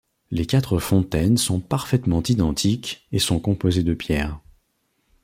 Les quatre fontaines sont parfaitement identiques et sont composées de pierre.